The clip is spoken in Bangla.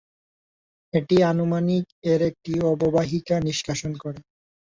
এটি আনুমানিক এর একটি অববাহিকা নিষ্কাশন করে।